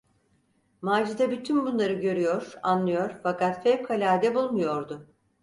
Macide bütün bunları görüyor, anlıyor fakat fevkalade bulmuyordu.